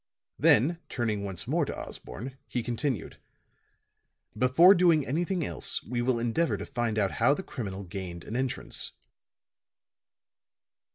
Then turning once more to Osborne, he continued. "Before doing anything else we will endeavor to find out how the criminal gained an entrance."